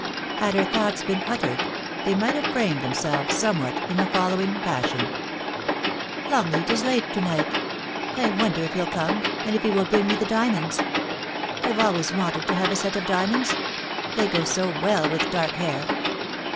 Had her thoughts been uttered, they might have framed themselves somewhat in the following fashion :* Longleat is late to night I wonder if he'll come, and if he will bring me the diamonds. IVe always wanted to have a set of diamonds ; they go so well with dark hair.